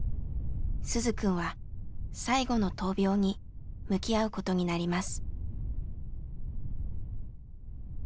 鈴くんは最後の闘病に向き合うことになります。